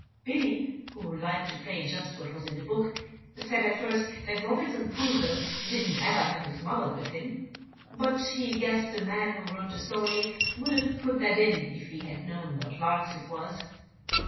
Billy, who liked to play just what was in the book, said at first that Robinson Crusoe didn't ever have his mother with him, but he "guessed the man who wrote the story would have put that in if he had known what larks it was."